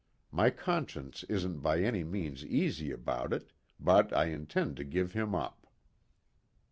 My conscience isn't by any means easy about it, but I intend to give him up."